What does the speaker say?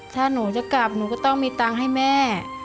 ถ้าหนูจะกลับหนูก็ต้องมีตังค์ให้แม่